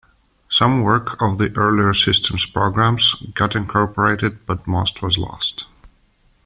Some work of the earlier systems programs got incorporated but most was lost.